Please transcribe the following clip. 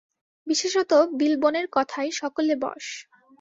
বিশেষত বিলবনের কথায় সকলে বশ।